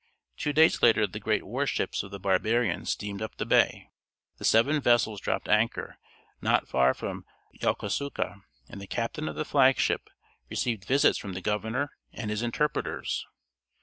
Two days later the great war ships of the barbarians steamed up the bay. The seven vessels dropped anchor not far from Yokos[)u]ka, and the captain of the flag ship received visits from the governor and his interpreters.